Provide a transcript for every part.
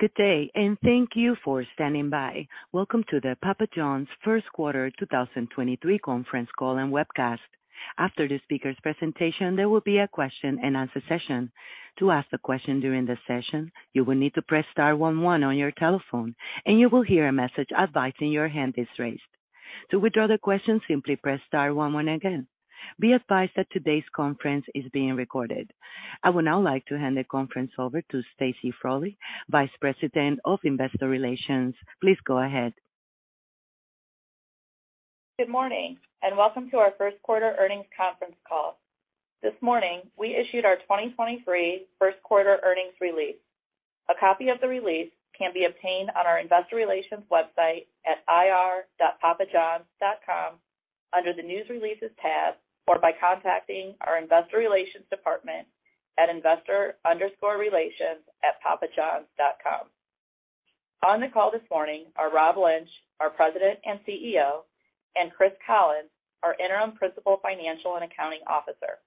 Good day, and thank you for standing by. Welcome to the Papa John's Q1 2023 conference call and webcast. After the speaker's presentation, there will be a question-and-answer session. To ask a question during the session, you will need to press star 11 on your telephone, and you will hear a message advising your hand is raised. To withdraw the question, simply press star 11 again. Be advised that today's conference is being recorded. I would now like to hand the conference over to Stacy Frole, Vice President of Investor Relations. Please go ahead. Good morning. Welcome to our Q1 earnings conference call. This morning, we issued our 2023 Q1 earnings release. A copy of the release can be obtained on our investor relations website at ir.papajohns.com under the News Releases tab, or by contacting our investor relations department at investor_relations@papajohns.com. On the call this morning are Rob Lynch, our President and CEO, and Chris Collins, our Interim Principal Financial and Accounting Officer.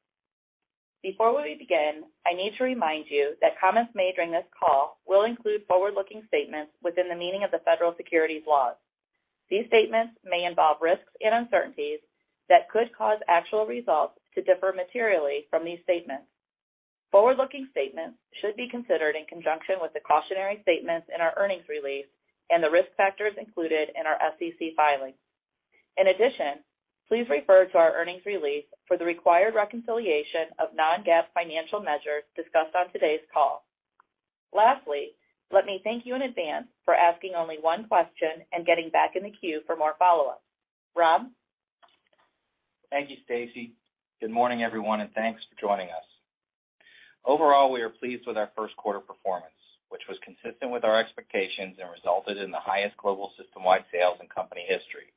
Before we begin, I need to remind you that comments made during this call will include forward-looking statements within the meaning of the federal securities laws. These statements may involve risks and uncertainties that could cause actual results to differ materially from these statements. Forward-looking statements should be considered in conjunction with the cautionary statements in our earnings release and the risk factors included in our SEC filings. In addition, please refer to our earnings release for the required reconciliation of non-GAAP financial measures discussed on today's call. Lastly, let me thank you in advance for asking only one question and getting back in the queue for more follow-ups. Rob? Thank you, Stacy. Good morning, everyone, and thanks for joining us. Overall, we are pleased with our Q1 performance, which was consistent with our expectations and resulted in the highest global system-wide sales in company history.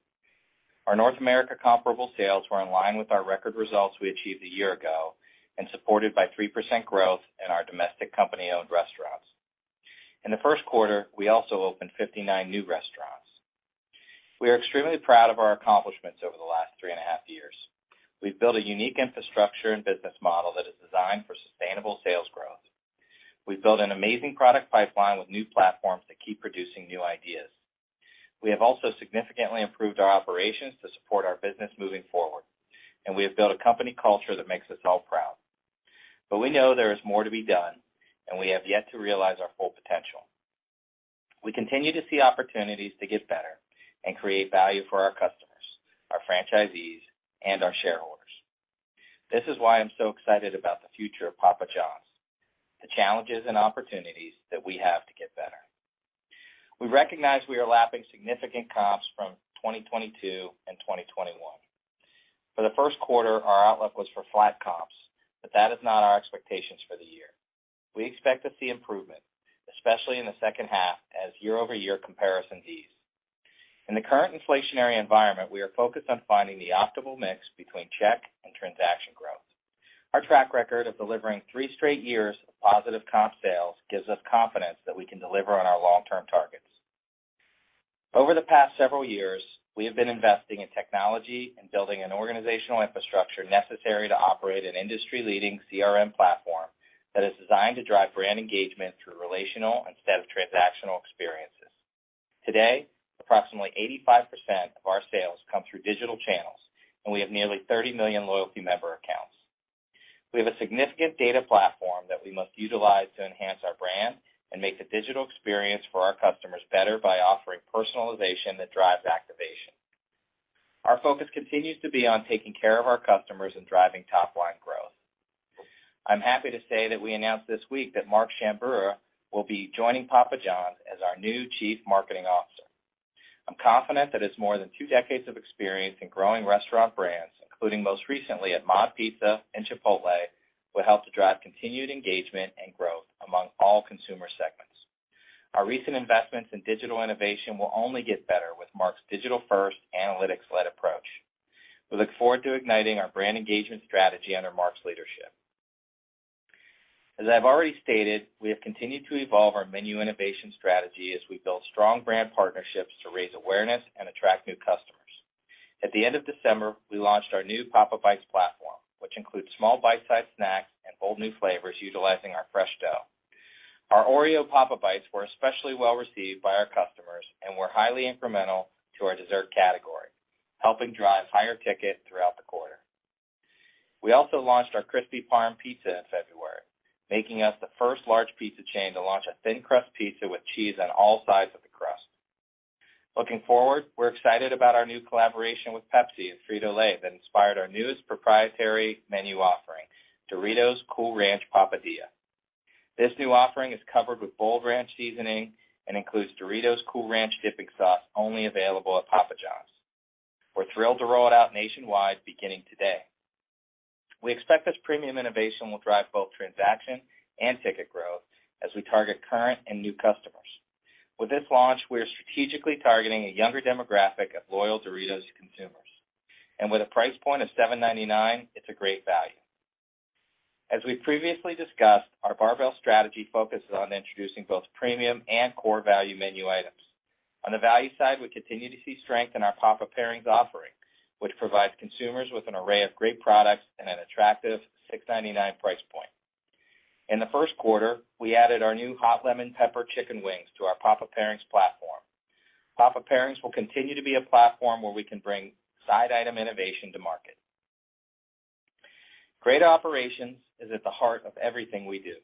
Our North America comparable sales were in line with our record results we achieved a year ago and supported by 3% growth in our domestic company-owned restaurants. In the Q1, we also opened 59 new restaurants. We are extremely proud of our accomplishments over the last 3 and a half years. We've built a unique infrastructure and business model that is designed for sustainable sales growth. We've built an amazing product pipeline with new platforms that keep producing new ideas. We have also significantly improved our operations to support our business moving forward, and we have built a company culture that makes us all proud. We know there is more to be done and we have yet to realize our full potential. We continue to see opportunities to get better and create value for our customers, our franchisees, and our shareholders. This is why I'm so excited about the future of Papa Johns, the challenges and opportunities that we have to get better. We recognize we are lapping significant comps from 2022 and 2021. For the Q1, our outlook was for flat comps, but that is not our expectations for the year. We expect to see improvement, especially in the second half as year-over-year comparison ease. In the current inflationary environment, we are focused on finding the optimal mix between check and transaction growth. Our track record of delivering three straight years of positive comp sales gives us confidence that we can deliver on our long-term targets. Over the past several years, we have been investing in technology and building an organizational infrastructure necessary to operate an industry-leading CRM platform that is designed to drive brand engagement through relational instead of transactional experiences. Today, approximately 85% of our sales come through digital channels, and we have nearly 30 million loyalty member accounts. We have a significant data platform that we must utilize to enhance our brand and make the digital experience for our customers better by offering personalization that drives activation. Our focus continues to be on taking care of our customers and driving top line growth. I'm happy to say that we announced this week that Mark Shambura will be joining Papa Johns as our new Chief Marketing Officer. I'm confident that his more than 2 decades of experience in growing restaurant brands, including most recently at MOD Pizza and Chipotle, will help to drive continued engagement and growth among all consumer segments. Our recent investments in digital innovation will only get better with Mark's digital-first, analytics-led approach. We look forward to igniting our brand engagement strategy under Mark's leadership. As I've already stated, we have continued to evolve our menu innovation strategy as we build strong brand partnerships to raise awareness and attract new customers. At the end of December, we launched our new Papa Bites platform, which includes small bite-sized snacks and bold new flavors utilizing our fresh dough. Our OREO Papa Bites were especially well received by our customers and were highly incremental to our dessert category, helping drive higher ticket throughout the quarter. We also launched our Crispy Parm Pizza in February, making us the first large pizza chain to launch a thin crust pizza with cheese on all sides of the crust. Looking forward, we're excited about our new collaboration with Pepsi and Frito-Lay that inspired our newest proprietary menu offering, Doritos Cool Ranch Papadia. This new offering is covered with bold ranch seasoning and includes Doritos Cool Ranch dipping sauce only available at Papa Johns. We're thrilled to roll it out nationwide beginning today. We expect this premium innovation will drive both transaction and ticket growth as we target current and new customers. With this launch, we are strategically targeting a younger demographic of loyal Doritos consumers. With a price point of $7.99, it's a great value. As we previously discussed, our barbell strategy focuses on introducing both premium and core value menu items. On the value side, we continue to see strength in our Papa Pairings offering, which provides consumers with an array of great products and an attractive $6.99 price point. In the Q1, we added our new Hot Lemon Pepper Wings to our Papa Pairings platform. Papa Pairings will continue to be a platform where we can bring side item innovation to market. Great operations is at the heart of everything we do.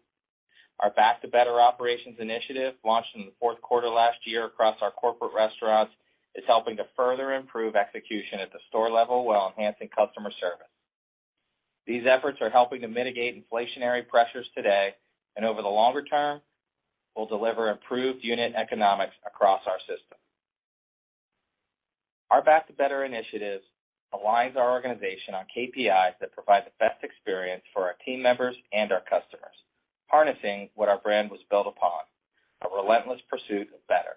Our Back to Better Operations initiative, launched in the Q4 last year across our corporate restaurants, is helping to further improve execution at the store level while enhancing customer service. These efforts are helping to mitigate inflationary pressures today, and over the longer term, will deliver improved unit economics across our system. Our Back to Better initiatives aligns our organization on KPIs that provide the best experience for our team members and our customers, harnessing what our brand was built upon, a relentless pursuit of better.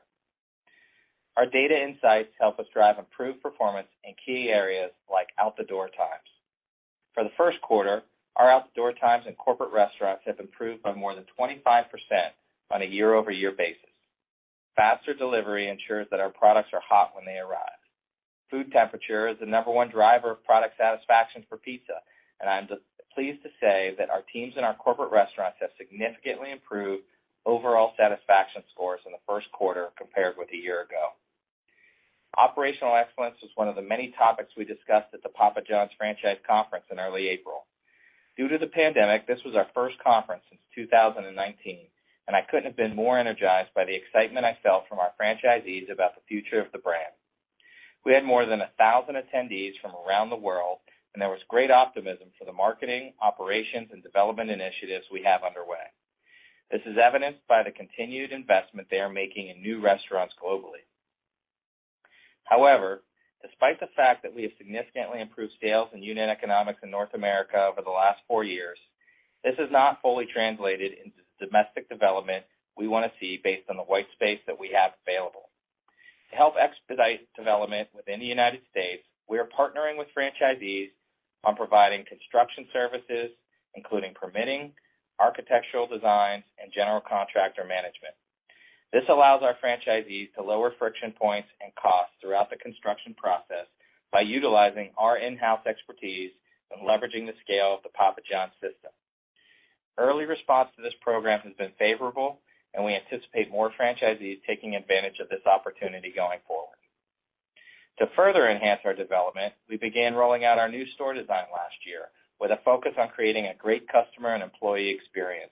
Our data insights help us drive improved performance in key areas like out the door times. For the Q1, our out the door times in corporate restaurants have improved by more than 25% on a year-over-year basis. Faster delivery ensures that our products are hot when they arrive. Food temperature is the number one driver of product satisfaction for pizza, and I'm just pleased to say that our teams in our corporate restaurants have significantly improved overall satisfaction scores in the Q1 compared with a year ago. Operational excellence was one of the many topics we discussed at the Papa Johns Franchise Conference in early April. Due to the pandemic, this was our first conference since 2019, and I couldn't have been more energized by the excitement I felt from our franchisees about the future of the brand. We had more than 1,000 attendees from around the world, and there was great optimism for the marketing, operations, and development initiatives we have underway. This is evidenced by the continued investment they are making in new restaurants globally. However, despite the fact that we have significantly improved sales and unit economics in North America over the last four years, this has not fully translated into domestic development we wanna see based on the white space that we have available. To help expedite development within the United States, we are partnering with franchisees on providing construction services, including permitting, architectural designs, and general contractor management. This allows our franchisees to lower friction points and costs throughout the construction process by utilizing our in-house expertise and leveraging the scale of the Papa Johns system. Early response to this program has been favorable, and we anticipate more franchisees taking advantage of this opportunity going forward. To further enhance our development, we began rolling out our new store design last year with a focus on creating a great customer and employee experience.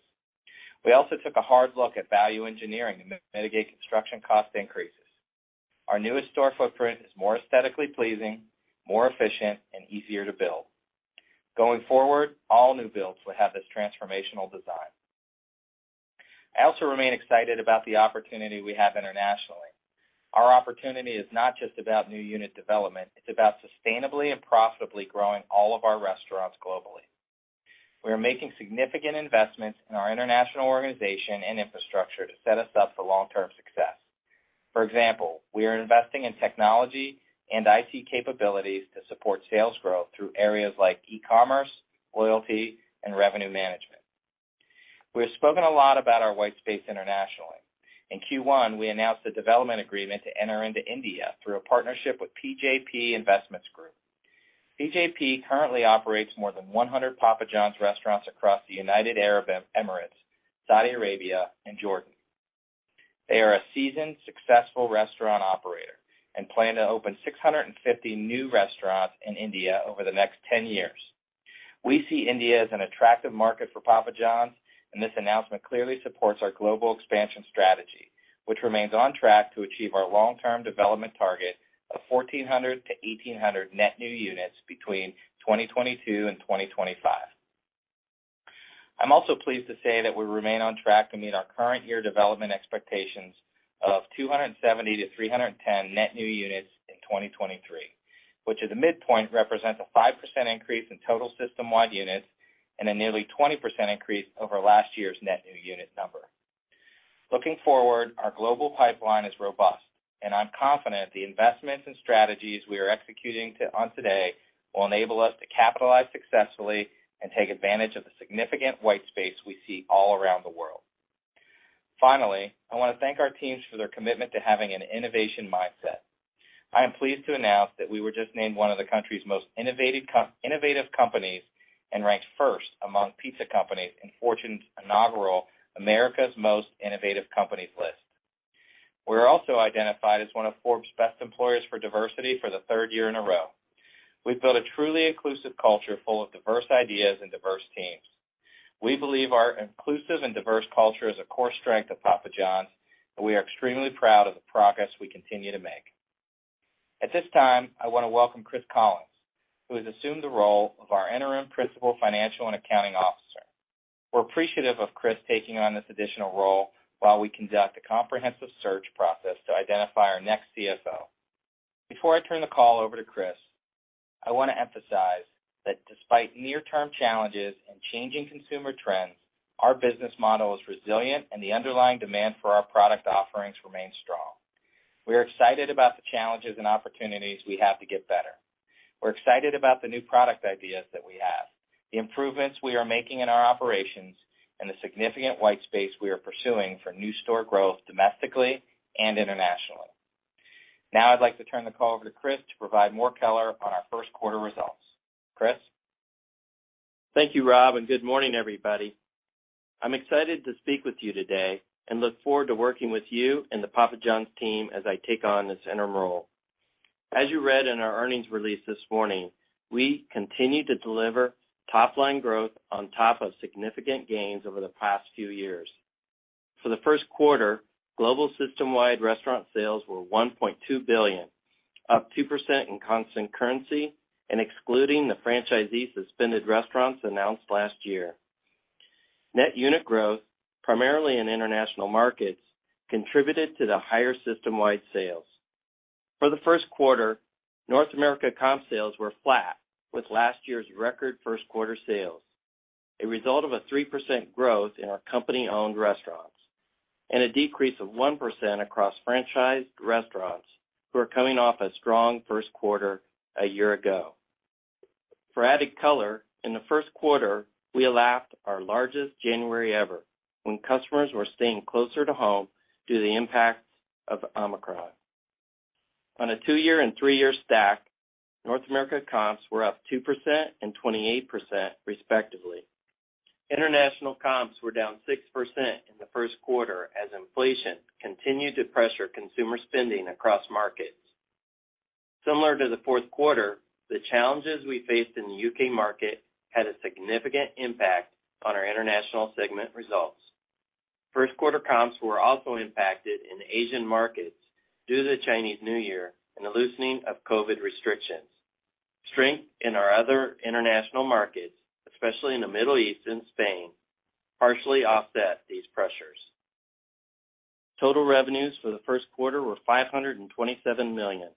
We also took a hard look at value engineering to mitigate construction cost increases. Our newest store footprint is more aesthetically pleasing, more efficient, and easier to build. Going forward, all new builds will have this transformational design. I also remain excited about the opportunity we have internationally. Our opportunity is not just about new unit development, it's about sustainably and profitably growing all of our restaurants globally. We are making significant investments in our international organization and infrastructure to set us up for long-term success. For example, we are investing in technology and IT capabilities to support sales growth through areas like e-commerce, loyalty, and revenue management. We have spoken a lot about our white space internationally. In Q1, we announced a development agreement to enter into India through a partnership with PJP Investments Group. PJP currently operates more than 100 Papa Johns restaurants across the United Arab Emirates, Saudi Arabia, and Jordan. They are a seasoned, successful restaurant operator and plan to open 650 new restaurants in India over the next 10 years. We see India as an attractive market for Papa Johns, and this announcement clearly supports our global expansion strategy, which remains on track to achieve our long-term development target of 1,400-1,800 net new units between 2022 and 2025. I'm also pleased to say that we remain on track to meet our current year development expectations of 270-310 net new units in 2023, which at the midpoint represents a 5% increase in total system-wide units and a nearly 20% increase over last year's net new unit number. Looking forward, our global pipeline is robust, and I'm confident the investments and strategies we are executing on today will enable us to capitalize successfully and take advantage of the significant white space we see all around the world. Finally, I wanna thank our teams for their commitment to having an innovation mindset. I am pleased to announce that we were just named one of the country's most innovative companies and ranked first among pizza companies in Fortune's inaugural America's Most Innovative Companies list. We're also identified as one of Forbes' Best Employers for Diversity for the third year in a row. We've built a truly inclusive culture full of diverse ideas and diverse teams. We believe our inclusive and diverse culture is a core strength of Papa Johns, and we are extremely proud of the progress we continue to make. At this time, I wanna welcome Chris Collins, who has assumed the role of our Interim Principal Financial and Accounting Officer. We're appreciative of Chris taking on this additional role while we conduct a comprehensive search process to identify our next CFO. Before I turn the call over to Chris, I wanna emphasize that despite near-term challenges and changing consumer trends, our business model is resilient, and the underlying demand for our product offerings remains strong. We are excited about the challenges and opportunities we have to get better. We're excited about the new product ideas that we have, the improvements we are making in our operations, and the significant white space we are pursuing for new store growth domestically and internationally. Now I'd like to turn the call over to Chris to provide more color on our Q1 results. Chris? Thank you, Rob. Good morning, everybody. I'm excited to speak with you today and look forward to working with you and the Papa Johns team as I take on this interim role. As you read in our earnings release this morning, we continue to deliver top line growth on top of significant gains over the past few years. For the Q1, global system-wide restaurant sales were $1.2 billion, up 2% in constant currency and excluding the franchisee suspended restaurants announced last year. Net unit growth, primarily in international markets, contributed to the higher system-wide sales. For the Q1, North America comp sales were flat with last year's record Q1 sales, a result of a 3% growth in our company-owned restaurants and a decrease of 1% across franchised restaurants who are coming off a strong Q1 a year ago. For added color, in the Q1, we lacked our largest January ever when customers were staying closer to home due to the impact of Omicron. On a 2-year and 3-year stack, North America comps were up 2% and 28% respectively. International comps were down 6% in the Q1 as inflation continued to pressure consumer spending across markets. Similar to the Q4, the challenges we faced in the U.K. market had a significant impact on our international segment results. Q1 comps were also impacted in Asian markets due to the Chinese New Year and the loosening of COVID restrictions. Strength in our other international markets, especially in the Middle East and Spain, partially offset these pressures. Total revenues for the Q1 were $527 million,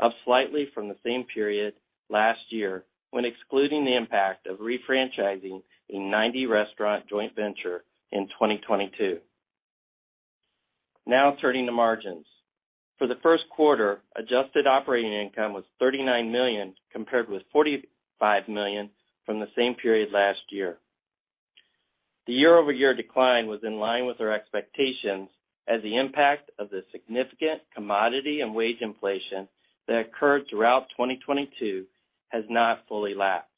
up slightly from the same period last year when excluding the impact of refranchising a 90-restaurant joint venture in 2022. Turning to margins. For the Q1, adjusted operating income was $39 million, compared with $45 million from the same period last year. The year-over-year decline was in line with our expectations as the impact of the significant commodity and wage inflation that occurred throughout 2022 has not fully lapped.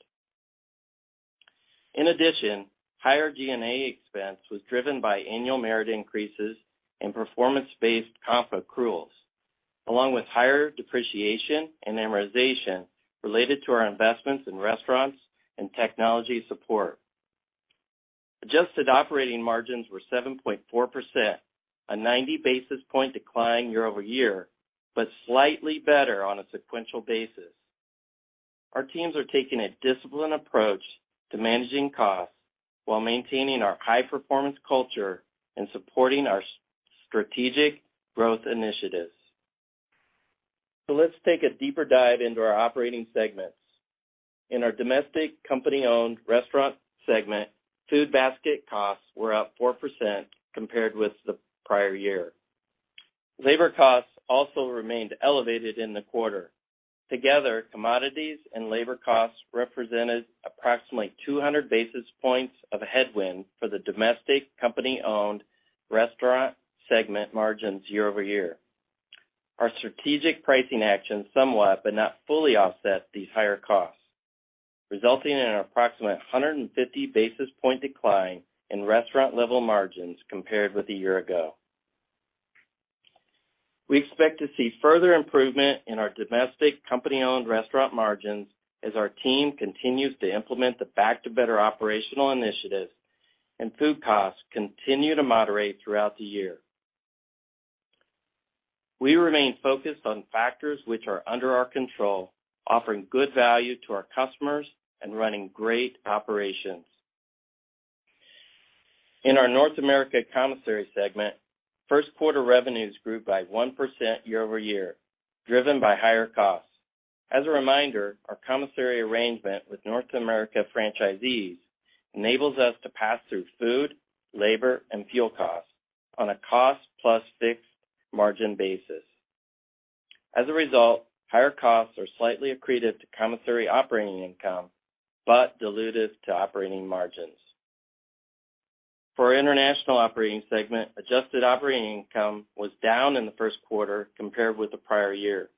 Higher G&A expense was driven by annual merit increases and performance-based comp accruals, along with higher depreciation and amortization related to our investments in restaurants and technology support. Adjusted operating margins were 7.4%, a 90 basis point decline year-over-year, slightly better on a sequential basis. Our teams are taking a disciplined approach to managing costs while maintaining our high-performance culture and supporting our strategic growth initiatives. Let's take a deeper dive into our operating segments. In our domestic company-owned restaurant segment, food basket costs were up 4% compared with the prior year. Labor costs also remained elevated in the quarter. Together, commodities and labor costs represented approximately 200 basis points of headwind for the domestic company-owned restaurant segment margins year-over-year. Our strategic pricing actions somewhat, but not fully offset these higher costs, resulting in an approximate 150 basis point decline in restaurant level margins compared with a year ago. We expect to see further improvement in our domestic company-owned restaurant margins as our team continues to implement the Back to Better operational initiatives and food costs continue to moderate throughout the year. We remain focused on factors which are under our control, offering good value to our customers and running great operations. In our North America commissary segment, Q1 revenues grew by 1% year-over-year, driven by higher costs. As a reminder, our commissary arrangement with North America franchisees enables us to pass through food, labor, and fuel costs on a cost plus fixed margin basis. Higher costs are slightly accreted to commissary operating income, but dilutive to operating margins. International operating segment, adjusted operating income was down in the Q1 compared with the prior year.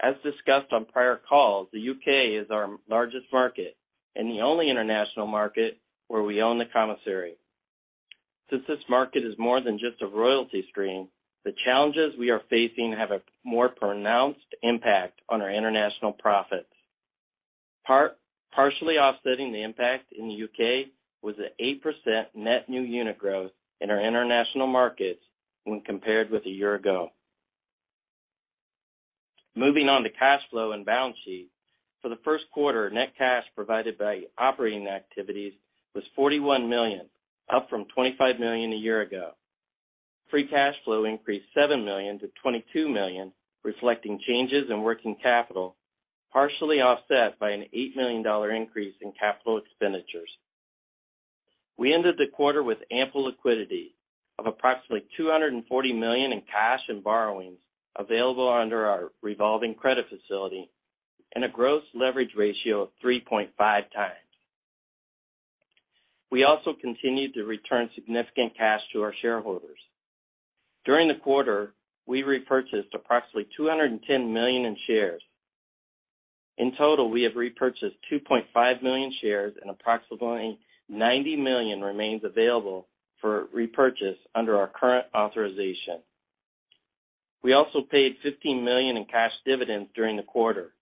As discussed on prior calls, the U.K. is our largest market and the only international market where we own the commissary. This market is more than just a royalty stream, the challenges we are facing have a more pronounced impact on our international profits. Partially offsetting the impact in the U.K. was the 8% net new unit growth in our international markets when compared with a year ago. Moving on to cash flow and balance sheet. For the Q1, net cash provided by operating activities was $41 million, up from $25 million a year ago. Free cash flow increased $7 million to $22 million, reflecting changes in working capital, partially offset by an $8 million increase in capital expenditures. We ended the quarter with ample liquidity of approximately $240 million in cash and borrowings available under our revolving credit facility and a gross leverage ratio of 3.5 times. We also continued to return significant cash to our shareholders. During the quarter, we repurchased approximately $210 million in shares. In total, we have repurchased 2.5 million shares. Approximately $90 million remains available for repurchase under our current authorization. We also paid $15 million in cash dividends during the quarter.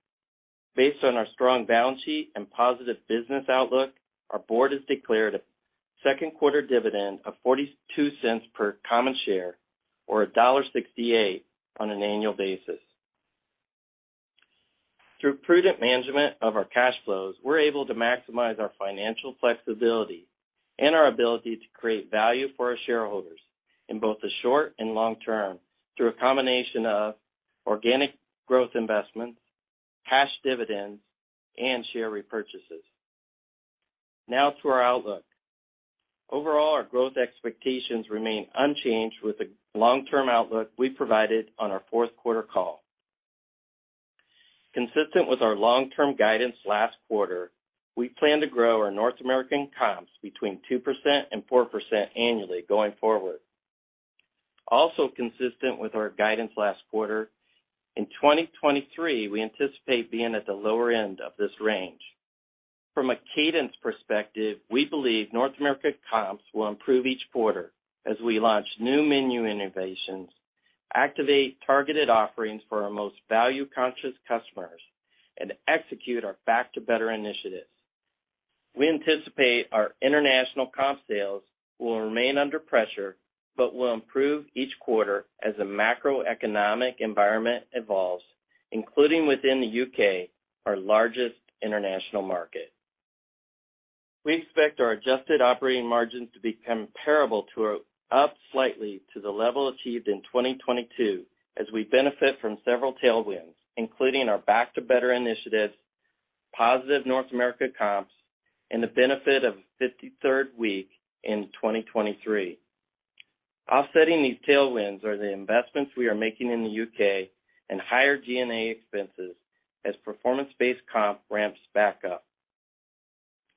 Based on our strong balance sheet and positive business outlook, our board has declared a Q2 dividend of $0.42 per common share, or $1.68 on an annual basis. Through prudent management of our cash flows, we're able to maximize our financial flexibility and our ability to create value for our shareholders in both the short and long term through a combination of organic growth investments, cash dividends, and share repurchases. To our outlook. Overall, our growth expectations remain unchanged with the long-term outlook we provided on our Q4 call. Consistent with our long-term guidance last quarter, we plan to grow our North American comps between 2% and 4% annually going forward. Also consistent with our guidance last quarter, in 2023, we anticipate being at the lower end of this range. From a cadence perspective, we believe North America comps will improve each quarter as we launch new menu innovations, activate targeted offerings for our most value-conscious customers, and execute our Back to Better initiatives. We anticipate our international comp sales will remain under pressure but will improve each quarter as the macroeconomic environment evolves, including within the UK, our largest international market. We expect our adjusted operating margins to be comparable to or up slightly to the level achieved in 2022 as we benefit from several tailwinds, including our Back to Better initiatives, positive North America comps, and the benefit of a 53rd week in 2023. Offsetting these tailwinds are the investments we are making in the U.K. and higher G&A expenses as performance-based comp ramps back up.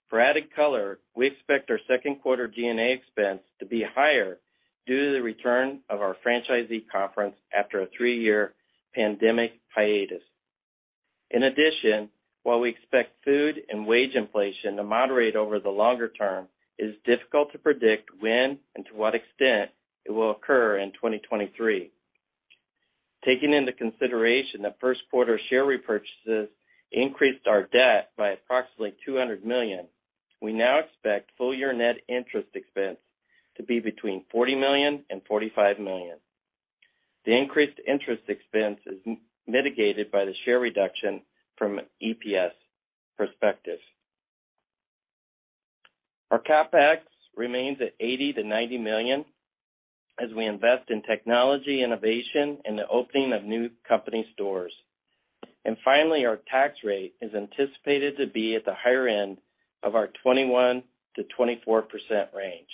For added color, we expect our Q2 G&A expense to be higher due to the return of our franchisee conference after a three-year pandemic hiatus. In addition, while we expect food and wage inflation to moderate over the longer term, it is difficult to predict when and to what extent it will occur in 2023. Taking into consideration that Q1 share repurchases increased our debt by approximately $200 million, we now expect full year net interest expense to be between $40 million and $45 million. The increased interest expense is mitigated by the share reduction from an EPS perspective. Our CapEx remains at $80 million-$90 million as we invest in technology innovation and the opening of new company stores. Finally, our tax rate is anticipated to be at the higher end of our 21%-24% range.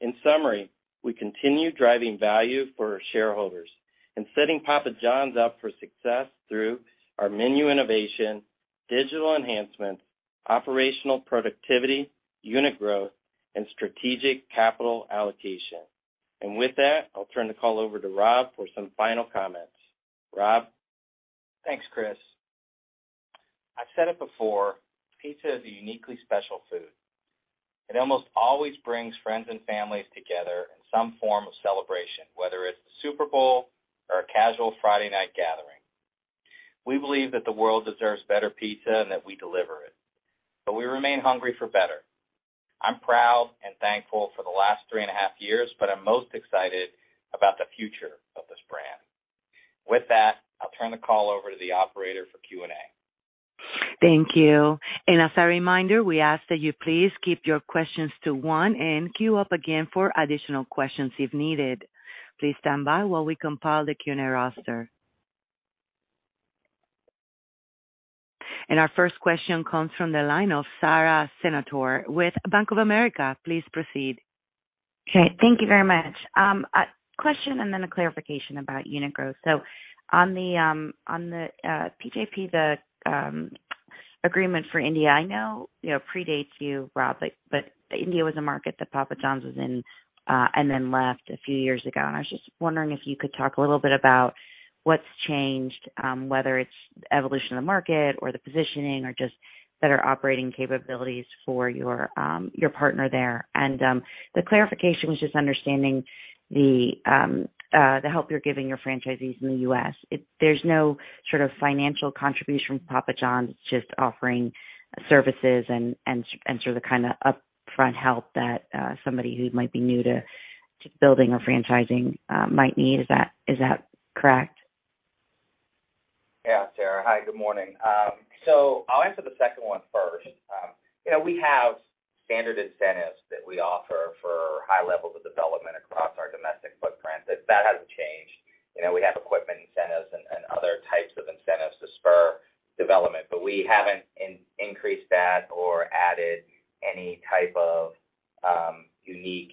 In summary, we continue driving value for our shareholders and setting Papa Johns up for success through our menu innovation, digital enhancements, operational productivity, unit growth, and strategic capital allocation. With that, I'll turn the call over to Rob for some final comments. Rob? Thanks, Chris. I've said it before, pizza is a uniquely special food. It almost always brings friends and families together in some form of celebration, whether it's the Super Bowl or a casual Friday night gathering. We believe that the world deserves better pizza and that we deliver it, but we remain hungry for better. I'm proud and thankful for the last three and a half years, but I'm most excited about the future of this brand. With that, I'll turn the call over to the operator for Q&A. Thank you. As a reminder, we ask that you please keep your questions to one and queue up again for additional questions if needed. Please stand by while we compile the Q&A roster. Our first question comes from the line of Sara Senatore with Bank of America. Please proceed. Okay, thank you very much. A question and then a clarification about unit growth. On the PJP, the agreement for India, I know, you know, predates you, Rob, like, but India was a market that Papa Johns was in, and then left a few years ago. I was just wondering if you could talk a little bit about what's changed, whether it's the evolution of the market or the positioning or just better operating capabilities for your partner there. The clarification was just understanding the help you're giving your franchisees in the U.S. There's no sort of financial contribution from Papa Johns, it's just offering services and sort of the kinda upfront help that somebody who might be new to building or franchising might need. Is that correct? Yeah, Sara. Hi, good morning. I'll answer the second one first. You know, we have standard incentives that we offer for high levels of development across our domestic footprint. That hasn't changed. You know, we have equipment incentives and other types of incentives to spur development, but we haven't increased that or added any type of unique,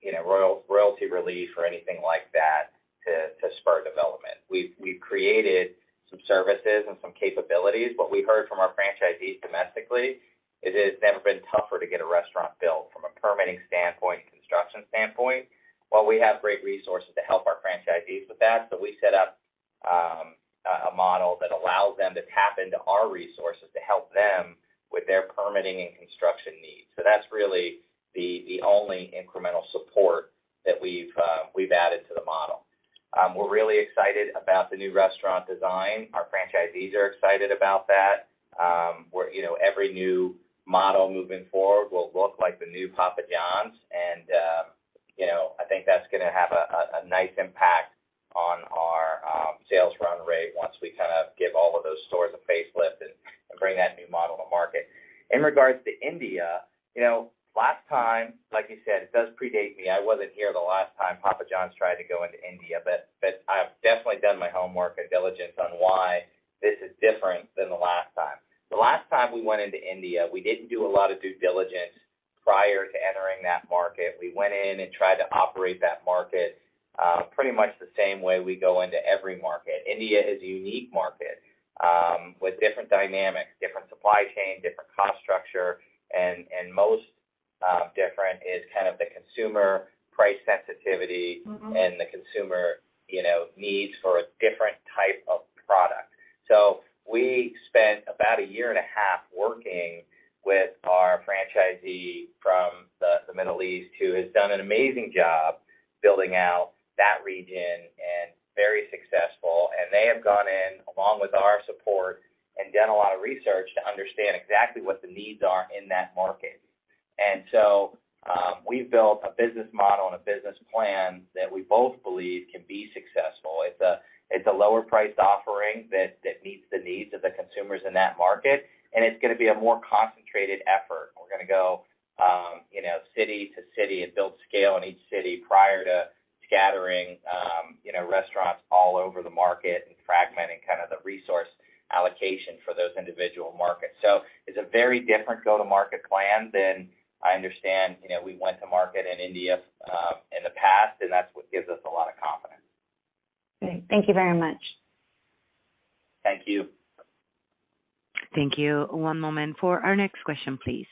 you know, royalty relief or anything like that to spur development. We've created some services and some capabilities, but we heard from our franchisees domestically is it's never been tougher to get a restaurant built from a permitting standpoint, construction standpoint. While we have great resources to help our franchisees with that, so we set up a model that allows them to tap into our resources to help them with their permitting and construction needs. That's really the only incremental support that we've added to the model. We're really excited about the new restaurant design. Our franchisees are excited about that. We're, you know, every new model moving forward will look like the new Papa Johns and, you know, I think that's gonna have a nice impact on our sales run rate once we kind of give all of those stores a facelift and bring that new model to market. In regards to India, you know, last time, like you said, it does predate me. I wasn't here the last time Papa Johns tried to go into India, but I've definitely done my homework and diligence on why this is different than the last time. The last time we went into India, we didn't do a lot of due diligence prior to entering that market. We went in and tried to operate that market, pretty much the same way we go into every market. India is a unique market, with different dynamics, different supply chain, different cost structure, and most, different is kind of the consumer price sensitivity... The consumer, you know, needs for a different type of product. We spent about a year and a half working with our franchisee from the Middle East, who has done an amazing job building out that region and very successful. They have gone in, along with our support, and done a lot of research to understand exactly what the needs are in that market. We've built a business model and a business plan that we both believe can be successful. It's a lower priced offering that meets the needs of the consumers in that market, and it's gonna be a more concentrated effort. We're gonna go, you know, city to city and build scale in each city prior to scattering, you know, restaurants all over the market and fragmenting kind of the resource allocation for those individual markets. It's a very different go-to-market plan than I understand, you know, we went to market in India in the past, and that's what gives us a lot of confidence. Thank you very much. Thank you. Thank you. One moment for our next question, please.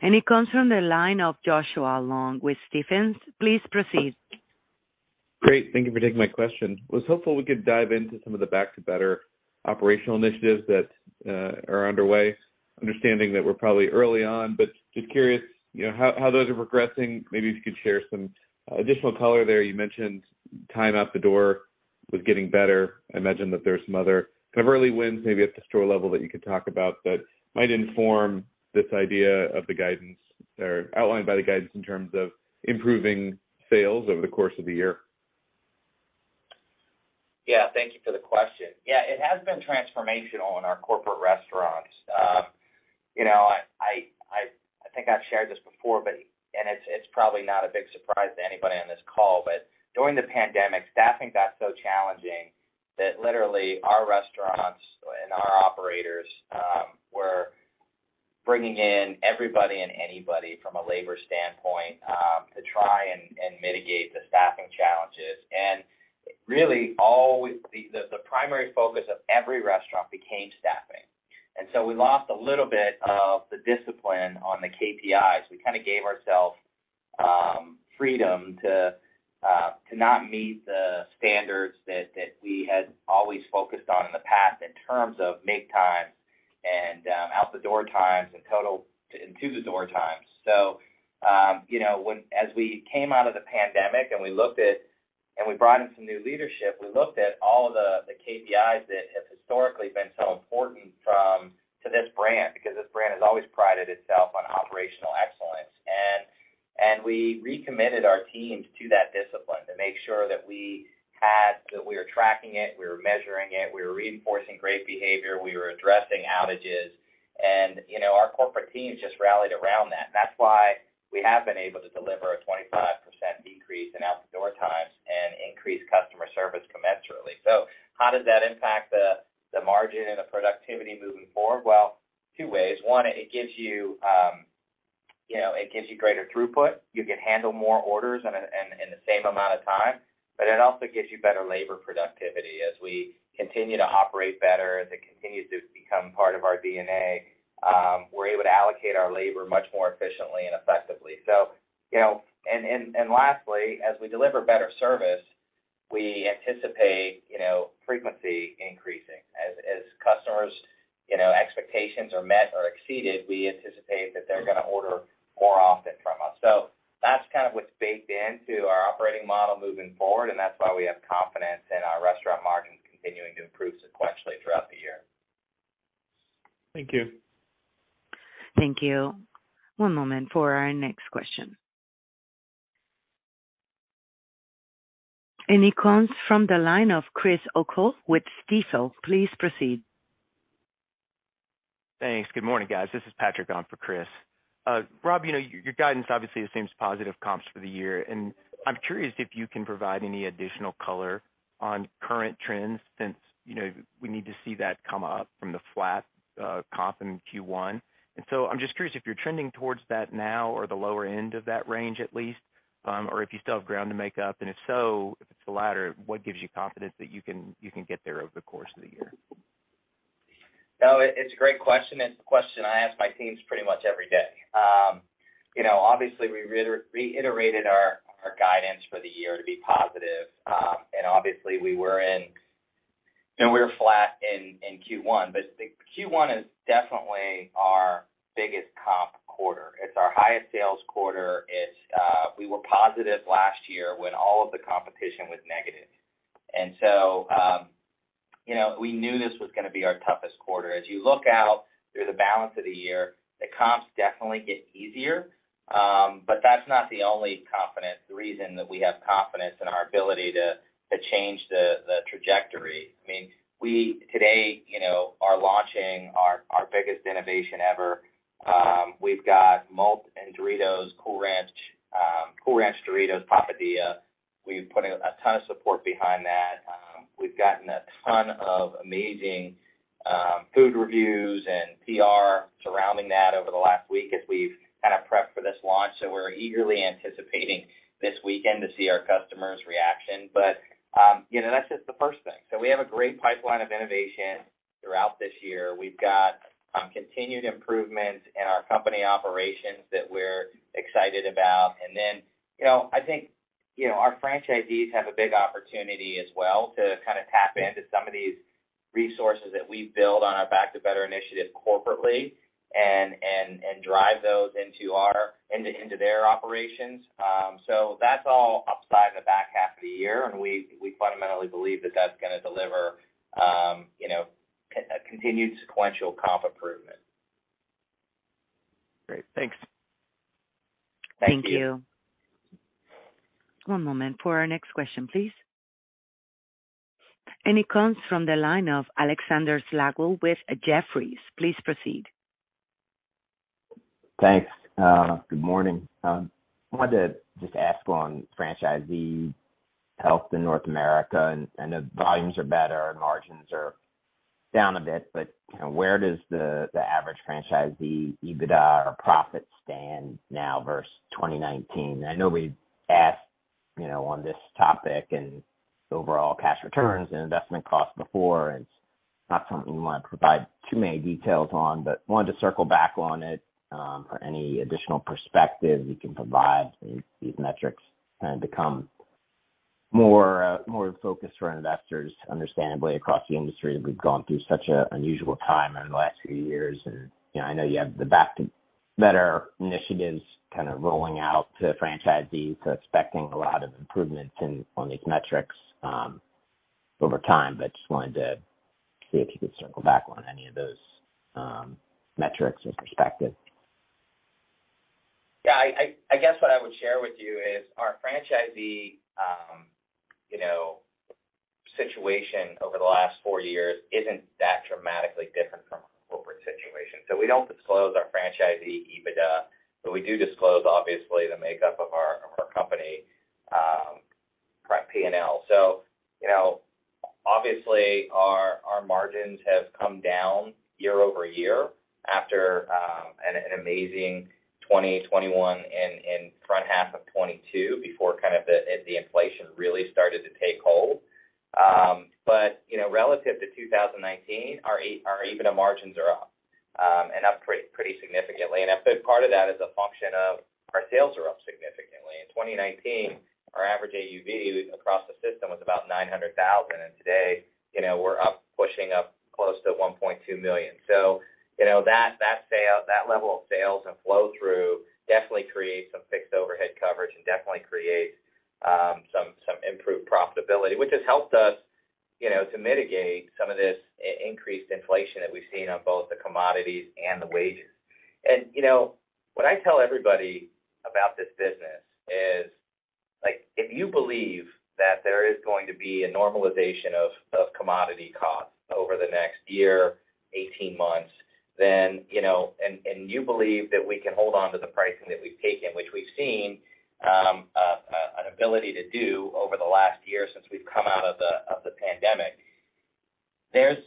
It comes from the line of Joshua Long with Stephens. Please proceed. Great. Thank you for taking my question. Was hopeful we could dive into some of the Back to Better operational initiatives that are underway. Understanding that we're probably early on, but just curious, you know, how those are progressing. Maybe if you could share some additional color there. You mentioned time out the door was getting better. I imagine that there are some other kind of early wins maybe at the store level that you could talk about that might inform this idea of the guidance or outline by the guidance in terms of improving sales over the course of the year. Thank you for the question. It has been transformational in our corporate restaurants. you know, I think I've shared this before, but it's probably not a big surprise to anybody on this call, but during the pandemic, staffing got so challenging that literally our restaurants and our operators were bringing in everybody and anybody from a labor standpoint to try and mitigate the staffing challenges. Really all the primary focus of every restaurant became staffing. So we lost a little bit of the discipline on the KPIs. We kind of gave ourselves freedom to not meet the standards that we had always focused on in the past in terms of make times and out the door times and total and to the door times. You know, as we came out of the pandemic and we looked at and we brought in some new leadership, we looked at all the KPIs that have historically been so important to this brand, because this brand has always prided itself on operational excellence. And we recommitted our teams to that discipline to make sure that we were tracking it, we were measuring it, we were reinforcing great behavior, we were addressing outages. You know, our corporate teams just rallied around that. That's why we have been able to deliver a 25% decrease in out the door times and increase customer service commensurately. How does that impact the margin and the productivity moving forward? Well, two ways. One, it gives you know, it gives you greater throughput. You can handle more orders in the same amount of time, it also gives you better labor productivity. As we continue to operate better, as it continues to become part of our DNA, we're able to allocate our labor much more efficiently and effectively. You know, and lastly, as we deliver better service, we anticipate, you know, frequency increasing. As customers', you know, expectations are met or exceeded, we anticipate that they're gonna order more often from us. That's kind of what's baked into our operating model moving forward, and that's why we have confidence in our restaurant margins continuing to improve sequentially throughout the year. Thank you. Thank you. One moment for our next question. It comes from the line of Chris O'Cull with Stifel. Please proceed. Thanks. Good morning, guys. This is Patrick on for Chris. Rob, you know, your guidance obviously assumes positive comps for the year. I'm curious if you can provide any additional color on current trends since, you know, we need to see that come up from the flat comp in Q1. I'm just curious if you're trending towards that now or the lower end of that range at least, or if you still have ground to make up. If so, if it's the latter, what gives you confidence that you can get there over the course of the year? It's a great question. It's a question I ask my teams pretty much every day. you know, obviously we reiterated our guidance for the year to be positive. obviously we were in... You know, we were flat in Q1, but the Q1 is definitely our biggest comp quarter. It's our highest sales quarter. It's, we were positive last year when all of the competition was negative. you know, we knew this was gonna be our toughest quarter. As you look out through the balance of the year, the comps definitely get easier. That's not the only confidence, the reason that we have confidence in our ability to change the trajectory. I mean, we today, you know, are launching our biggest innovation ever. We've got Doritos Cool Ranch Papadia. We've put a ton of support behind that. We've gotten a ton of amazing food reviews and PR surrounding that over the last week as we've kind of prepped for this launch. We're eagerly anticipating this weekend to see our customers' reaction. You know, that's just the first thing. We have a great pipeline of innovation throughout this year. We've got continued improvements in our company operations that we're excited about. You know, I think, you know, our franchisees have a big opportunity as well to kind of tap into some of these resources that we build on our Back to Better initiative corporately and drive those into their operations. That's all upside the back half of the year, and we fundamentally believe that that's gonna deliver, you know, a continued sequential comp improvement. Great. Thanks. Thank you. Thank you. One moment for our next question, please. It comes from the line of Alexander Slagle with Jefferies. Please proceed. Thanks. Good morning. I wanted to just ask on franchisee health in North America, and I know volumes are better and margins are down a bit, but, you know, where does the average franchisee EBITDA or profit stand now versus 2019? I know we've asked, you know, on this topic and overall cash returns and investment costs before. It's not something you wanna provide too many details on, but wanted to circle back on it, or any additional perspective you can provide these metrics kind of become more, more focused for investors, understandably, across the industry. We've gone through such a unusual time over the last few years and, you know, I know you have the Back to Better initiatives kind of rolling out to franchisees, so expecting a lot of improvements in, on these metrics, over time. Just wanted to see if you could circle back on any of those, metrics as prospective. Yeah, I guess what I would share with you is our franchisee, you know, situation over the last four years isn't that dramatically different from our corporate situation. We don't disclose our franchisee EBITDA, but we do disclose obviously the makeup of our company, front P&L. You know, obviously our margins have come down year-over-year after an amazing 2021 in front half of 2022 before kind of the inflation really started to take hold. You know, relative to 2019, our EBITDA margins are up and up pretty significantly. A big part of that is a function of our sales are up significantly. In 2019, our average AUV across the system was about $900,000. Today, you know, we're up, pushing up close to $1.2 million. You know, that sale, that level of sales and flow-through definitely creates some fixed overhead coverage and definitely creates some improved profitability, which has helped us, you know, to mitigate some of this increased inflation that we've seen on both the commodities and the wages. You know, what I tell everybody about this business is, like, if you believe that there is going to be a normalization of commodity costs over the next year, 18 months, then, you know, and you believe that we can hold on to the pricing that we've taken, which we've seen an ability to do over the last year since we've come out of the pandemic, there's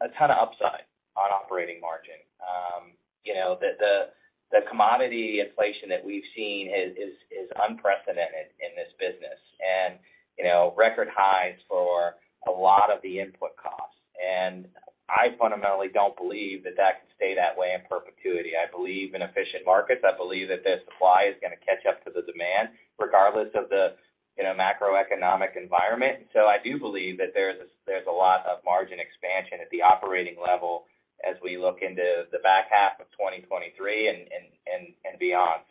a ton of upside on operating margin. You know, the commodity inflation that we've seen is unprecedented in this business and, you know, record highs for a lot of the input costs. I fundamentally don't believe that that can stay that way in perpetuity. I believe in efficient markets. I believe that the supply is gonna catch up to the demand regardless of the, you know, macroeconomic environment. I do believe that there's a lot of margin expansion at the operating level as we look into the back half of 2023 and beyond.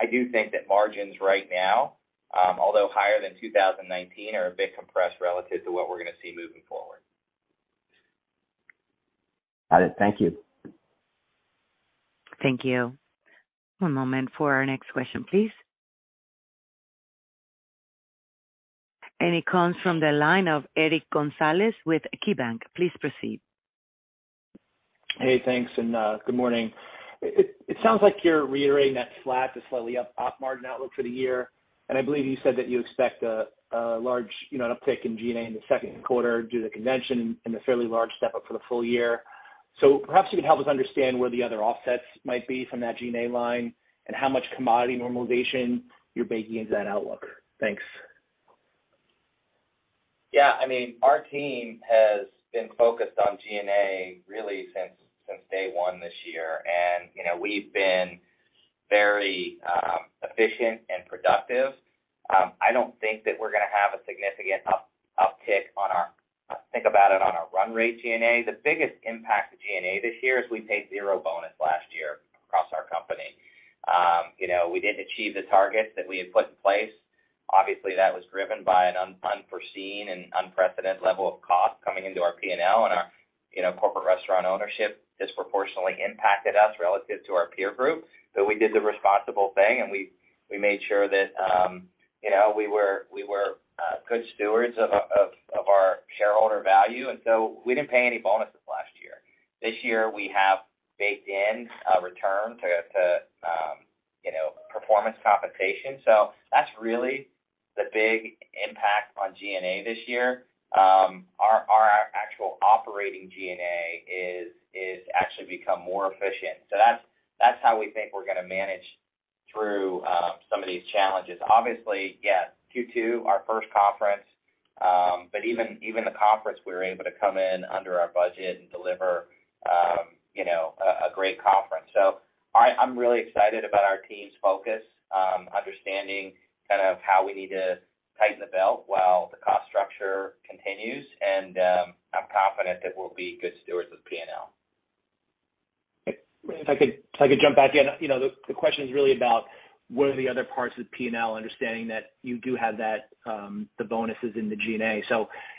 I do think that margins right now, although higher than 2019, are a bit compressed relative to what we're gonna see moving forward. Got it. Thank you. Thank you. One moment for our next question, please. It comes from the line of Eric Gonzalez with KeyBank. Please proceed. Hey, thanks, and good morning. It sounds like you're reiterating that flat to slightly up op margin outlook for the year. I believe you said that you expect a large, you know, an uptick in G&A in the Q2 due to the convention and a fairly large step-up for the full year. Perhaps you can help us understand where the other offsets might be from that G&A line and how much commodity normalization you're baking into that outlook. Thanks. Yeah. I mean, our team has been focused on G&A really since day one this year. You know, we've been very efficient and productive. I don't think that we're gonna have a significant uptick on our run rate G&A. The biggest impact to G&A this year is we paid 0 bonus last year across our company. You know, we didn't achieve the targets that we had put in place. Obviously, that was driven by an unforeseen and unprecedented level of cost coming into our P&L and our, you know, corporate restaurant ownership disproportionately impacted us relative to our peer group. We did the responsible thing, and we made sure that, you know, we were good stewards of our shareholder value, and so we didn't pay any bonuses last year. This year we have baked in a return to, you know, performance compensation. That's really the big impact on G&A this year. Our actual operating G&A is actually become more efficient. That's how we think we're gonna manage through some of these challenges. Obviously, yeah, Q2, our first conference, but even the conference we were able to come in under our budget and deliver, you know, a great conference. I'm really excited about our team's focus, understanding kind of how we need to tighten the belt while the cost structure continues and I'm confident that we'll be good stewards of P&L. If I could jump back in. You know, the question is really about what are the other parts of P&L understanding that you do have that, the bonuses in the G&A.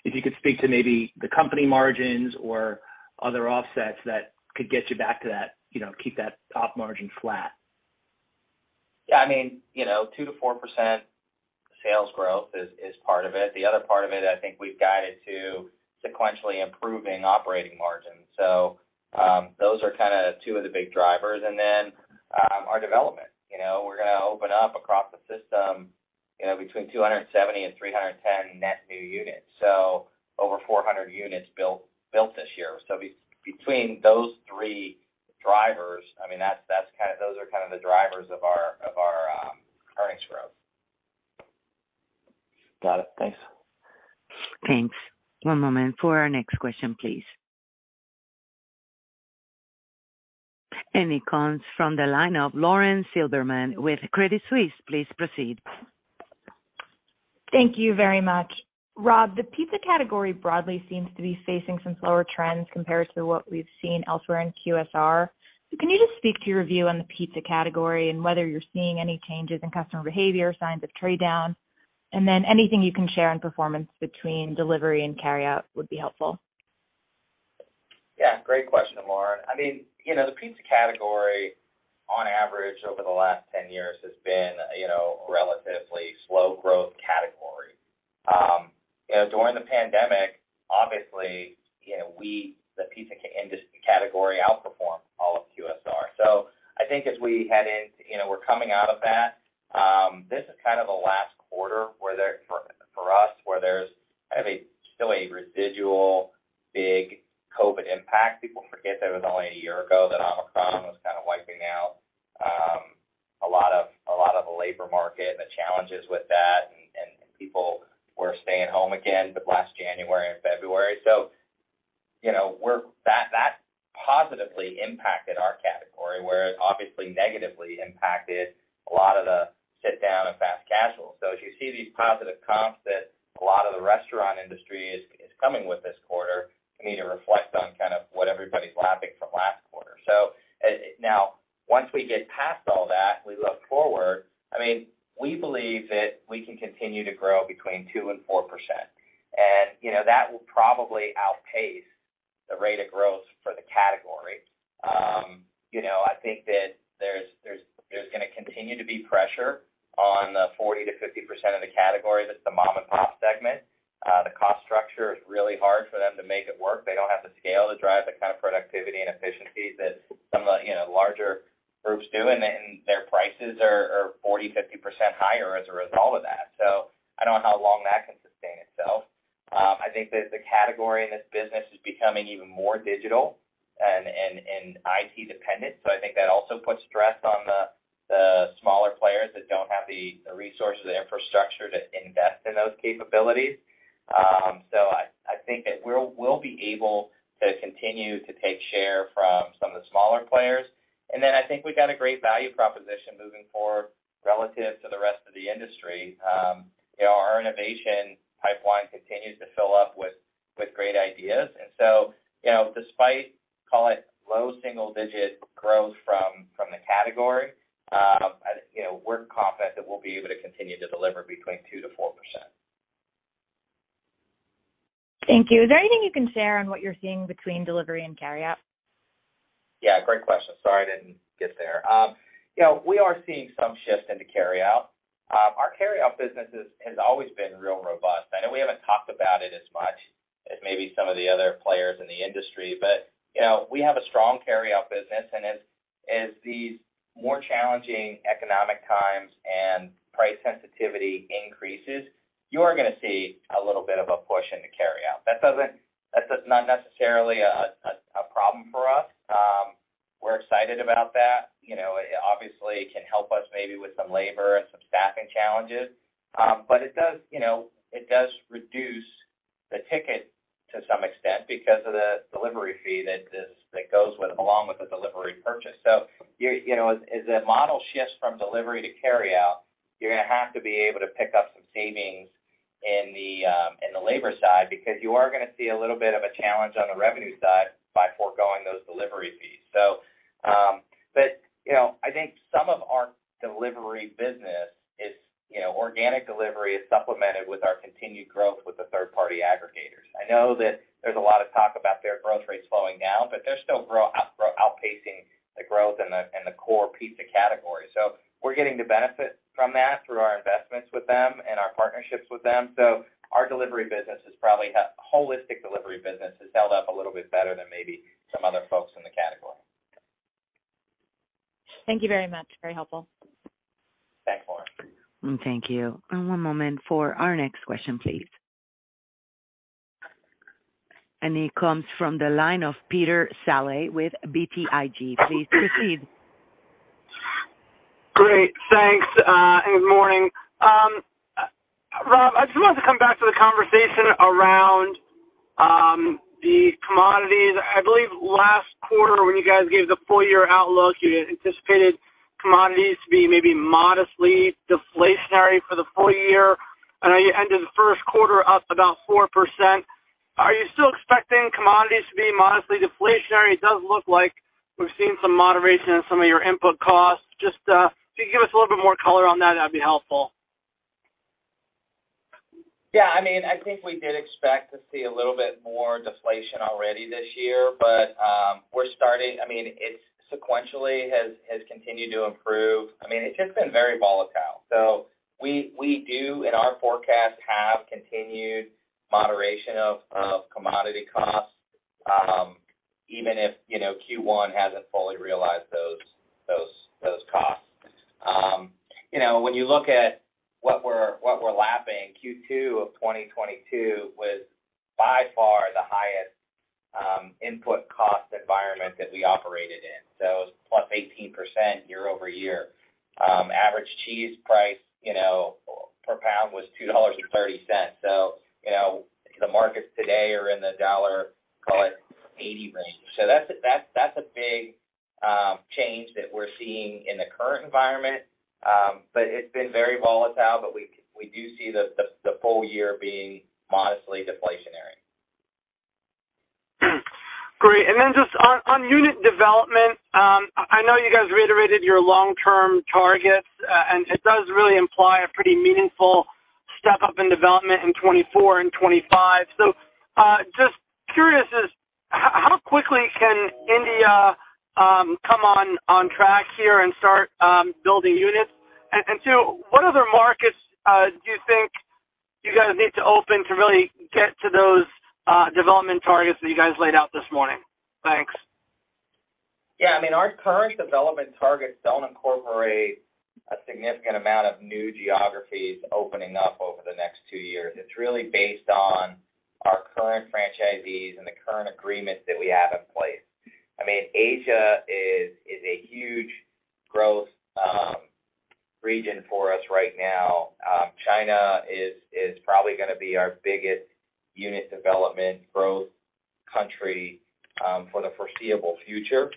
If you could speak to maybe the company margins or other offsets that could get you back to that, you know, keep that op margin flat. Yeah, I mean, you know, 2% to 4% sales growth is part of it. The other part of it, I think we've guided to sequentially improving operating margins. Those are kind of 2 of the big drivers. Our development. You know, we're gonna open up across the system, you know, between 270 and 310 net new units, so over 400 units built this year. Between those 3 drivers, I mean, that's kind of those are kind of the drivers of our earnings growth. Got it. Thanks. Thanks. One moment for our next question, please. It comes from the line of Lauren Silberman with Credit Suisse. Please proceed. Thank you very much. Rob, the pizza category broadly seems to be facing some slower trends compared to what we've seen elsewhere in QSR. Can you just speak to your view on the pizza category and whether you're seeing any changes in customer behavior, signs of trade down? Anything you can share on performance between delivery and carry-out would be helpful. Yeah. Great question, Lauren. I mean, you know, the pizza category on average over the last 10 years has been, you know, a relatively slow growth category. You know, during the pandemic, obviously, you know, the pizza industry category outperformed all of QSR. I think as we head into, you know, we're coming out of that, this is kind of the last quarter where for us, where there's kind of a, still a residual big COVID impact. People forget that it was only a year ago that Omicron was kind of wiping out a lot of the labor market and the challenges with that, and people were staying home again the last January and February. you know, that positively impacted our category, where it obviously negatively impacted a lot of the sit down and fast casual. As you see these positive comps that a lot of the restaurant industry is coming with this quarter, you need to reflect on kind of what everybody's lapping from last quarter. now once we get past all that, we look forward. I mean, we believe that we can continue to grow between 2% and 4%. you know, that will probably outpace the rate of growth for the category. you know, I think that there's gonna continue to be pressure on the 40%-50% of the category, that's the mom and pop segment. The cost structure is really hard for them to make it work. They don't have the scale to drive the kind of productivity and efficiency that some of the, you know, larger groups do, and then their prices are 40, 50% higher as a result of that. I don't know how long that can sustain itself. I think that the category in this business is becoming even more digital and IT dependent. I think that also puts stress on the smaller players that don't have the resources, the infrastructure to invest in those capabilities. I think that we'll be able to continue to take share from some of the smaller players. I think we've got a great value proposition moving forward relative to the rest of the industry. You know, our innovation pipeline continues to fill up with great ideas. You know, despite, call it, low single-digit growth from the category, I think, you know, we're confident that we'll be able to continue to deliver between 2%-4%. Thank you. Is there anything you can share on what you're seeing between delivery and carryout? Yeah, great question. Sorry, I didn't get there. You know, we are seeing some shift into carryout. Our carryout business has always been real robust. I know we haven't talked about it as much as maybe some of the other players in the industry, but, you know, we have a strong carryout business, and as these more challenging economic times and price sensitivity increases, you are gonna see a little bit of a push into carryout. That's just not necessarily a problem for us. We're excited about that. You know, obviously, it can help us maybe with some labor and some staffing challenges. It does, you know, it does reduce the ticket to some extent because of the delivery fee that goes along with the delivery purchase. You're, you know, as the model shifts from delivery to carryout, you're gonna have to be able to pick up some savings in the labor side because you are gonna see a little bit of a challenge on the revenue side by foregoing those delivery fees. You know, I think some of our delivery business is, you know, organic delivery is supplemented with our continued growth with the third-party aggregators. I know that there's a lot of talk about their growth rates slowing down, but they're still outpacing the growth in the core pizza category. We're getting the benefit from that through our investments with them and our partnerships with them. Our delivery business is probably holistic delivery business has held up a little bit better than maybe some other folks in the category. Thank you very much. Very helpful. Thanks, Lauren. Thank you. One moment for our next question, please. It comes from the line of Peter Saleh with BTIG. Please proceed. Great. Thanks, and good morning. Rob, I just wanted to come back to the conversation around the commodities. I believe last quarter, when you guys gave the full year outlook, you anticipated commodities to be maybe modestly deflationary for the full year, and now you ended the Q1 up about 4%. Are you still expecting commodities to be modestly deflationary? It does look like we've seen some moderation in some of your input costs. Just, if you could give us a little bit more color on that'd be helpful. I mean, I think we did expect to see a little bit more deflation already this year. I mean, it sequentially has continued to improve. I mean, it's just been very volatile. We do, in our forecast, have continued moderation of commodity costs, even if, you know, Q1 hasn't fully realized those costs. You know, when you look at what we're lapping, Q2 of 2022 was by far the highest input cost environment that we operated in, so it was +18% year-over-year. Average cheese price, you know, per pound was $2.30. You know, the markets today are in the $1.80 range. That's a big change that we're seeing in the current environment, but it's been very volatile, but we do see the full year being modestly deflationary. Great. Just on unit development, I know you guys reiterated your long-term targets, and it does really imply a pretty meaningful step up in development in 2024 and 2025. Just curious is how quickly can India, come on track here and start, building units? Two, what other markets, do you think you guys need to open to really get to those, development targets that you guys laid out this morning? Thanks. Yeah. I mean, our current development targets don't incorporate a significant amount of new geographies opening up over the next two years. It's really based on our current franchisees and the current agreements that we have in place. I mean, Asia is a huge growth region for us right now. China is probably gonna be our biggest unit development growth country for the foreseeable future.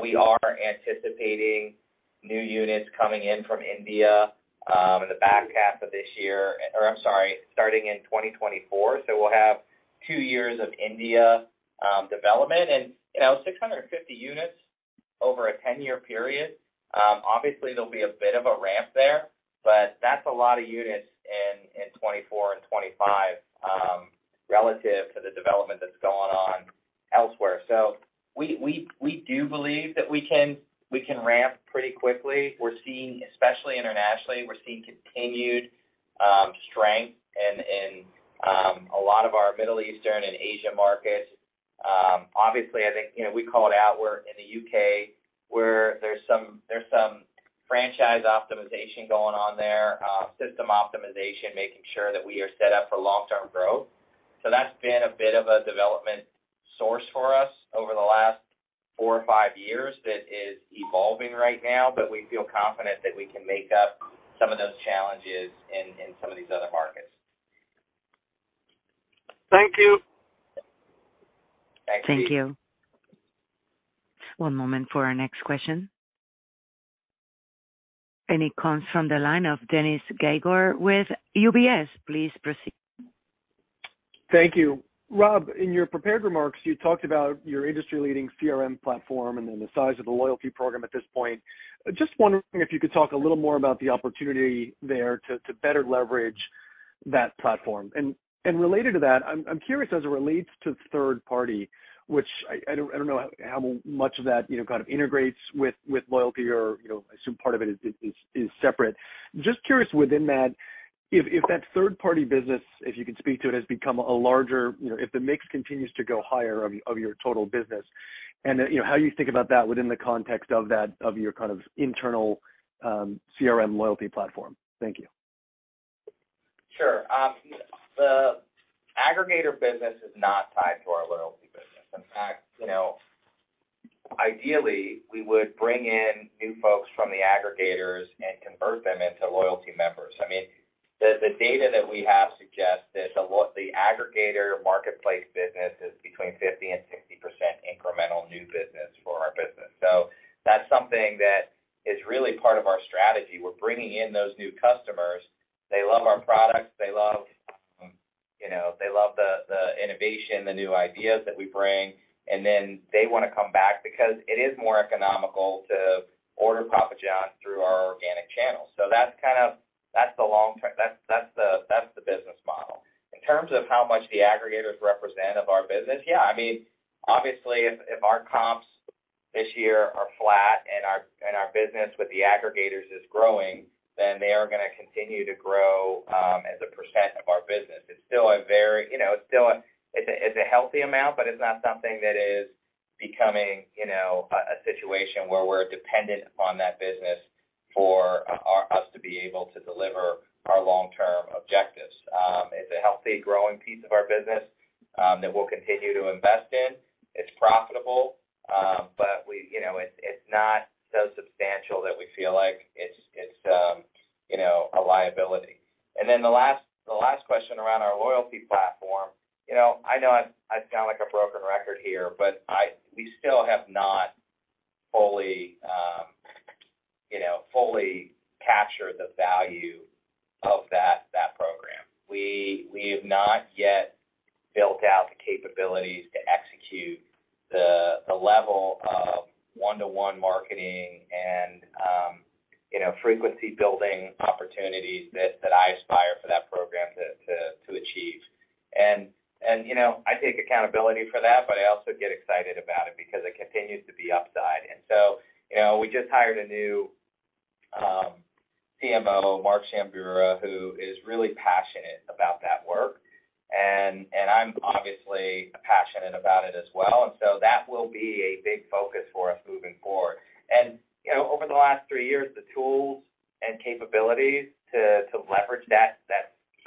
We are anticipating new units coming in from India in the back half of this year, or I'm sorry, starting in 2024. We'll have two years of India development. You know, 650 units over a 10-year period, obviously, there'll be a bit of a ramp there, but that's a lot of units in 2024 and 2025 relative to the development that's going on elsewhere. We do believe that we can ramp pretty quickly. We're seeing, especially internationally, we're seeing continued strength in a lot of our Middle Eastern and Asia markets. Obviously, I think, you know, we called out, we're in the U.K., where there's some franchise optimization going on there, system optimization, making sure that we are set up for long-term growth. That's been a bit of a development source for us over the last four or five years that is evolving right now, but we feel confident that we can make up some of those challenges in some of these other markets. Thank you. Thanks, Pete. Thank you. One moment for our next question. It comes from the line of Dennis Geiger with UBS. Please proceed. Thank you. Rob, in your prepared remarks, you talked about your industry-leading CRM platform and then the size of the loyalty program at this point. Just wondering if you could talk a little more about the opportunity there to better leverage that platform. Related to that, I'm curious as it relates to third party, which I don't know how much of that, you know, kind of integrates with loyalty or, you know, I assume part of it is separate. Just curious within that, if that third party business, if you can speak to it, has become a larger, you know, if the mix continues to go higher of your total business and, you know, how you think about that within the context of that, of your kind of internal CRM loyalty platform. Thank you. Sure. The aggregator business is not tied to our loyalty business. In fact, you know, ideally, we would bring in new folks from the aggregators and convert them into loyalty members. I mean, the data that we have suggests that the aggregator marketplace business is between 50% and 60% incremental new business for our business. That's something that is really part of our strategy. We're bringing in those new customers. They love our products. They love, you know, they love the innovation, the new ideas that we bring, and then they wanna come back because it is more economical to order Papa John's through our organic channels. That's the long term. That's the business model. In terms of how much the aggregators represent of our business, yeah, I mean, obviously if our comps this year are flat and our business with the aggregators is growing, then they are gonna continue to grow as a % of our business. It's still a very, you know, it's a healthy amount, but it's not something that is becoming, you know, a situation where we're dependent on that business for us to be able to deliver our long term objectives. It's a healthy growing piece of our business that we'll continue to invest in. It's profitable, but we, you know, it's not so substantial that we feel like it's, you know, a liability. The last question around our loyalty platform. You know, I know I sound like a broken record here, but we still have not fully, you know, fully captured the value of that program. We have not yet built out the capabilities to execute the level of one-to-one marketing and, you know, frequency building opportunities that I aspire for that program to achieve. You know, I take accountability for that, but I also get excited about it because it continues to be upside. You know, we just hired a new CMO, Mark Shambura, who is really passionate about that work. I'm obviously passionate about it as well. That will be a big focus for us moving forward. You know, over the last three years, the tools and capabilities to leverage that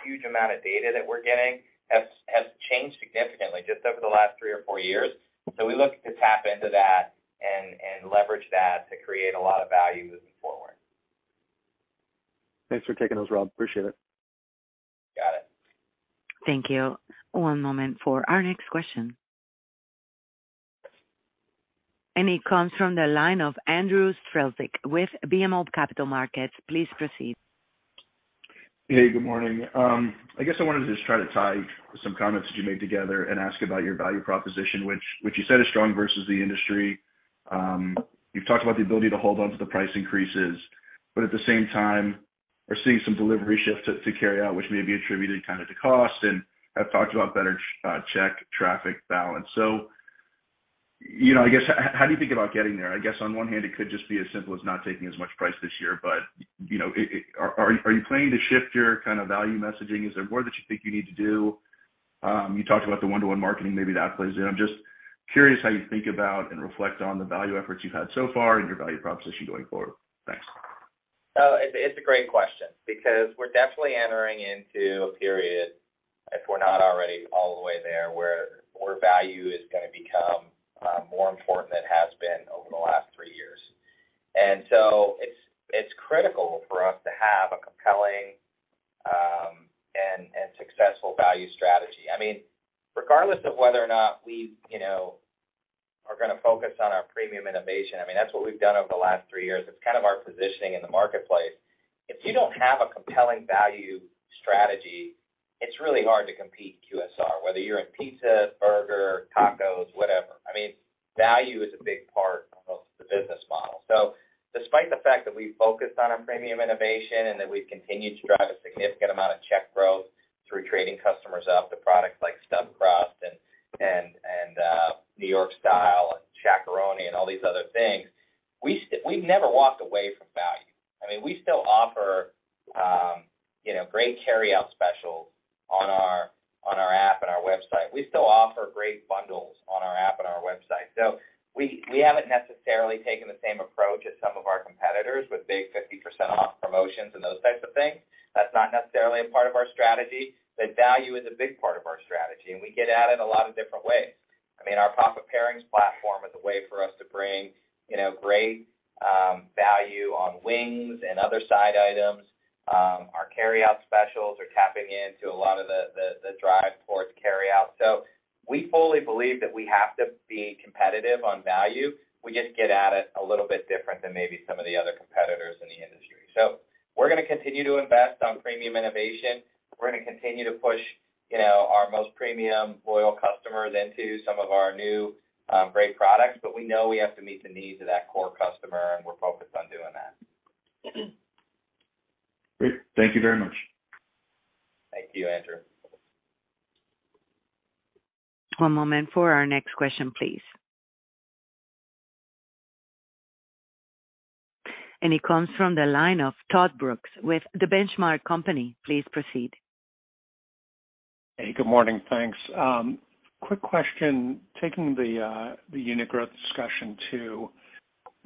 huge amount of data that we're getting has changed significantly just over the last three or four years. We look to tap into that and leverage that to create a lot of value moving forward. Thanks for taking those, Rob. Appreciate it. Got it. Thank you. One moment for our next question. It comes from the line of Andrew Strelzik with BMO Capital Markets. Please proceed. Hey, good morning. I guess I wanted to just try to tie some comments that you made together and ask about your value proposition, which you said is strong versus the industry. You've talked about the ability to hold onto the price increases, but at the same time, we're seeing some delivery shifts to carry out, which may be attributed kind of to cost, and have talked about better check traffic balance. You know, I guess how do you think about getting there? I guess on one hand, it could just be as simple as not taking as much price this year, but, you know, are you planning to shift your kind of value messaging? Is there more that you think you need to do? You talked about the one-to-one marketing, maybe that plays in. I'm just curious how you think about and reflect on the value efforts you've had so far and your value proposition going forward. Thanks. It's a great question because we're definitely entering into a period, if we're not already all the way there, where more value is gonna become more important than it has been over the last three years. It's critical for us to have a compelling, and successful value strategy. I mean, regardless of whether or not we, you know, are gonna focus on our premium innovation, I mean, that's what we've done over the last three years. It's kind of our positioning in the marketplace. If you don't have a compelling value strategy, it's really hard to compete QSR, whether you're in pizza, burger, tacos, whatever. I mean, value is a big part of the business model. Despite the fact that we've focused on our premium innovation and that we've continued to drive a significant amount of check growth through trading customers up to products like stuffed crust and New York Style and Shaq-a-Roni and all these other things, we've never walked away from value. I mean, we still offer, you know, great carryout specials on our app and our website. We still offer great bundles on our app and our website. We haven't necessarily taken the same approach as some of our competitors with big 50% off promotions and those types of things. That's not necessarily a part of our strategy, but value is a big part of our strategy, and we get at it in a lot of different ways. I mean, our Papa Pairings platform is a way for us to bring, you know, great value on wings and other side items. Our carryout specials are tapping into a lot of the drive towards carryout. We fully believe that we have to be competitive on value. We just get at it a little bit different than maybe some of the other competitors in the industry. We're gonna continue to invest on premium innovation. We're gonna continue to push, you know, our most premium loyal customers into some of our new, great products. We know we have to meet the needs of that core customer, and we're focused on doing that. Great. Thank you very much. Thank you, Andrew. One moment for our next question, please. It comes from the line of Todd Brooks with The Benchmark Company. Please proceed. Hey, good morning. Thanks. quick question. Taking the the unit growth discussion to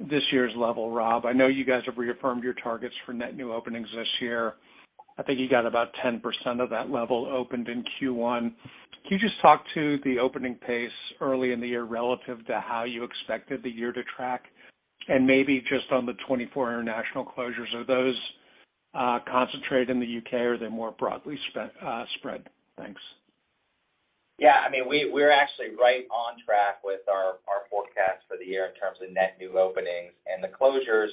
this year's level, Rob, I know you guys have reaffirmed your targets for net new openings this year. I think you got about 10% of that level opened in Q1. Can you just talk to the opening pace early in the year relative to how you expected the year to track? Maybe just on the 24 international closures, are those concentrated in the U.K., or are they more broadly spread? Thanks. Yeah. I mean, we're actually right on track with our forecast for the year in terms of net new openings. The closures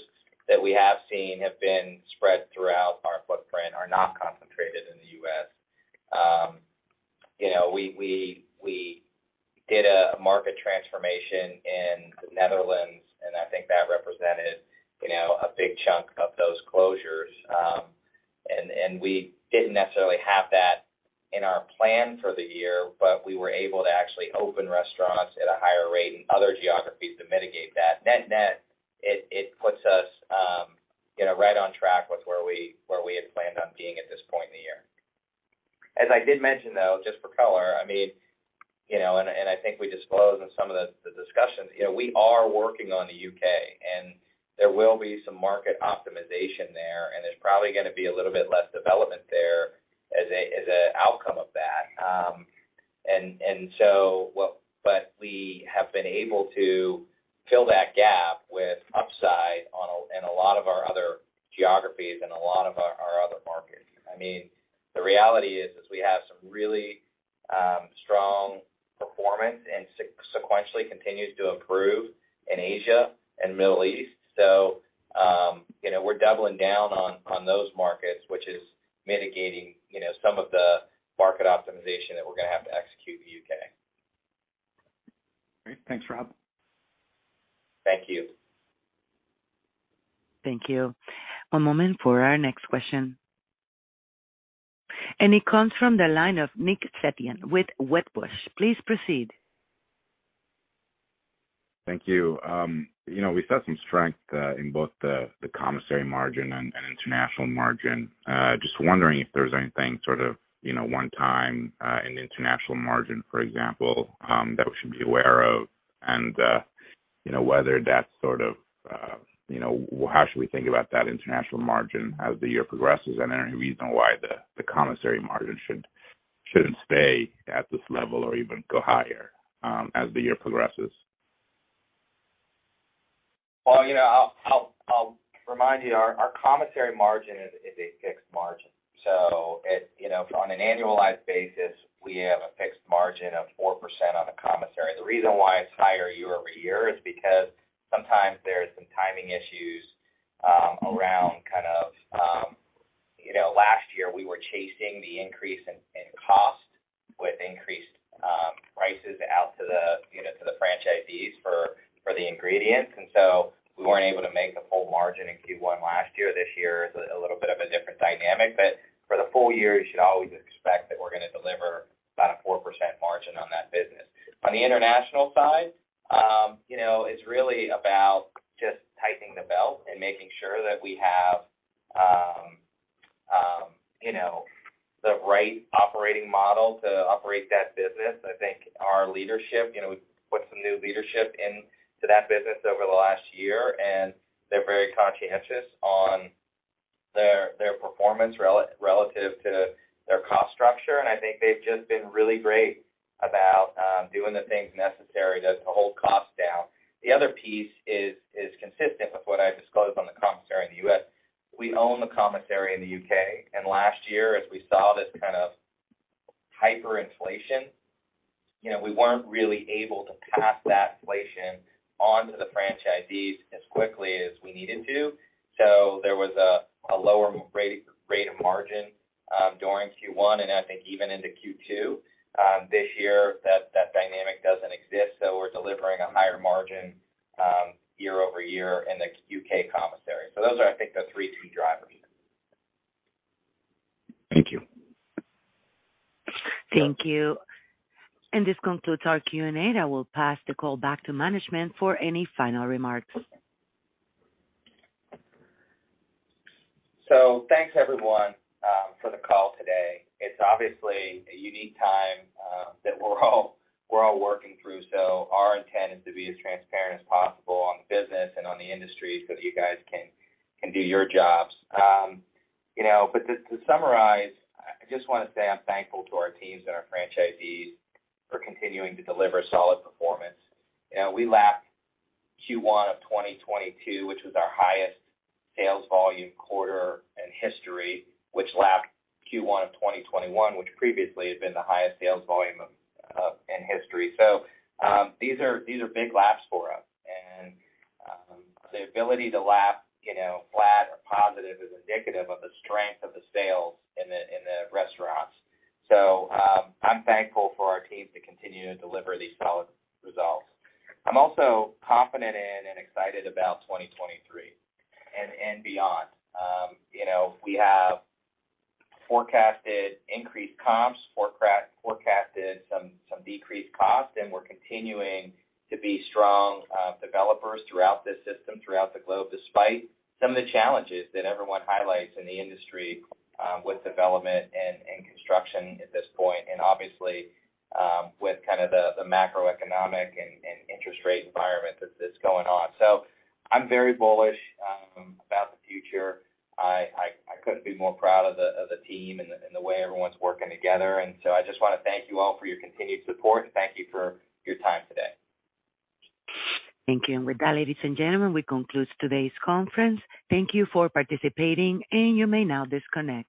that we have seen have been spread throughout our footprint, are not concentrated in the U.S. You know, we did a market transformation in Netherlands, and I think that represented, you know, a big chunk of those closures. We didn't necessarily have that in our plan for the year, but we were able to actually open restaurants at a higher rate in other geographies to mitigate that. Net-net, it puts us, you know, right on track with where we had planned on being at this point in the year. As I did mention, though, just for color, I mean, you know, I think we disclosed in some of the discussions, you know, we are working on the U.K., and there will be some market optimization there, and there's probably going to be a little bit less development there as an outcome of that. But we have been able to fill that gap with upside in a lot of our other geographies and a lot of our other markets. I mean, the reality is we have some really strong performance and sequentially continues to improve in Asia and Middle East. You know, we're doubling down on those markets, which is mitigating, you know, some of the market optimization that we're going to have to execute in the U.K. Great. Thanks, Rob. Thank you. Thank you. One moment for our next question. It comes from the line of Nick Setyan with Wedbush. Please proceed. Thank you. You know, we saw some strength in both the commissary margin and international margin. Just wondering if there's anything sort of, you know, one time in the international margin, for example, that we should be aware of? You know, whether that's sort of, you know, how should we think about that international margin as the year progresses? Any reason why the commissary margin shouldn't stay at this level or even go higher as the year progresses? Well, you know, I'll remind you our commissary margin is a fixed margin. You know, on an annualized basis, we have a fixed margin of 4% on the commissary. The reason why it's higher year-over-year is because sometimes there's some timing issues around kind of. You know, last year we were chasing the increase in cost with increased prices out to the, you know, to the franchisees for the ingredients. We weren't able to make the full margin in Q1 last year. This year is a little bit of a different dynamic, but for the full year, you should always expect that we're gonna deliver about a 4% margin on that business. On the international side, you know, it's really about just tightening the belt and making sure that we have, you know, the right operating model to operate that business. I think our leadership, you know, we put some new leadership into that business over the last year. They're very conscientious on their performance relative to their cost structure. I think they've just been really great about doing the things necessary to hold costs down. The other piece is consistent with what I disclosed on the commissary in the U.S. We own the commissary in the U.K. Last year, as we saw this kind of hyperinflation, you know, we weren't really able to pass that inflation on to the franchisees as quickly as we needed to. There was a lower rate of margin during Q1, and I think even into Q2. This year that dynamic doesn't exist, so we're delivering a higher margin year-over-year in the UK commissary. Those are, I think, the three key drivers. Thank you. Thank you. This concludes our Q&A. I will pass the call back to management for any final remarks. Thanks, everyone, for the call today. It's obviously a unique time that we're all working through, so our intent is to be as transparent as possible on the business and on the industry so that you guys can do your jobs. You know, but to summarize, I just wanna say I'm thankful to our teams and our franchisees for continuing to deliver solid performance. You know, we lapped Q1 of 2022, which was our highest sales volume quarter in history, which lapped Q1 of 2021, which previously had been the highest sales volume in history. These are big laps for us. The ability to lap, you know, flat or positive is indicative of the strength of the sales in the restaurants. I'm thankful for our teams to continue to deliver these solid results. I'm also confident in and excited about 2023 and beyond. You know, we have forecasted increased comps, forecasted some decreased costs, and we're continuing to be strong developers throughout this system, throughout the globe, despite some of the challenges that everyone highlights in the industry, with development and construction at this point. Obviously, with kind of the macroeconomic and interest rate environment that's going on. I'm very bullish about the future. I couldn't be more proud of the team and the way everyone's working together. I just wanna thank you all for your continued support, and thank you for your time today. Thank you. With that, ladies and gentlemen, we conclude today's conference. Thank you for participating, and you may now disconnect.